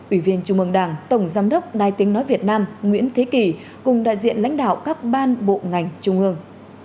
ủy viên trung mương đảng tổng giám đốc đài tiếng nói việt nam nguyễn thế kỳ cùng đại diện lãnh đạo các ban bộ ngành trung ương